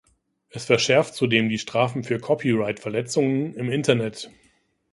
Es verschärft zudem die Strafen für Copyright-Verletzungen im Internet.